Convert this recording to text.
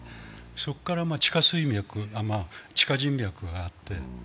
そこから地下水脈、地下人脈があって。